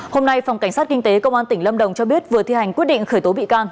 hôm nay phòng cảnh sát kinh tế công an tỉnh lâm đồng cho biết vừa thi hành quyết định khởi tố bị can